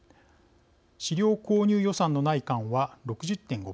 資料購入予算のない館は６０．５％。